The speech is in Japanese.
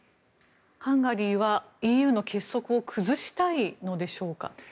ハンガリーはＥＵの結束を崩したいのでしょうか？